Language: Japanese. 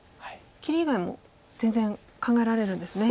切り以外も全然考えられるんですね。